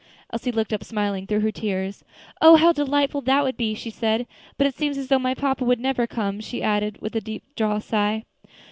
Elsie looked up, smiling through her tears, "Oh! how delightful that would be," she said. "But it seems as though my papa would never come," she added, with a deep drawn sigh.